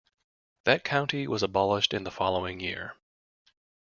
That county was abolished in the following year.